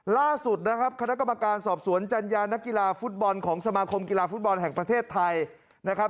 ล่าสุดนะครับคณะกรรมการสอบสวนจัญญานักกีฬาฟุตบอลของสมาคมกีฬาฟุตบอลแห่งประเทศไทยนะครับ